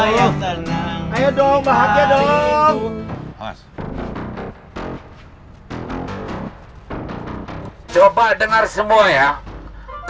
ya jangan diri ke sama pihak